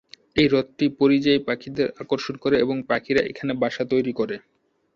এই হ্রদটি পরিযায়ী পাখিদের আকর্ষণ করে এবং পাখিরা এখানে বাসা তৈরি করে।